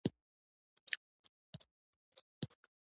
شاګردان د خپلو تېروتنو په اړه خبرداری اخیستل.